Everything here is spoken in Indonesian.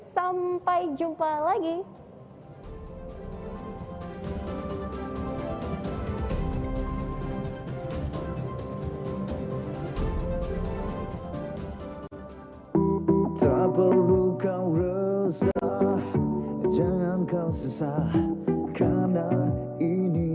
sampai jumpa lagi